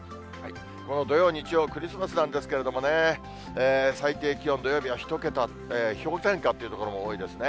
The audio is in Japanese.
この土曜、日曜、クリスマスなんですけれどもね、最低気温、土曜日は１桁、氷点下という所も多いですね。